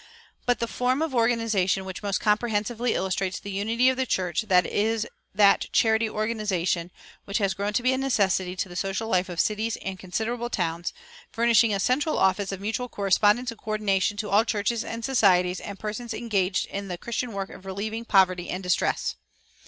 But the form of organization which most comprehensively illustrates the unity of the church is that "Charity Organization" which has grown to be a necessity to the social life of cities and considerable towns, furnishing a central office of mutual correspondence and coördination to all churches and societies and persons engaged in the Christian work of relieving poverty and distress.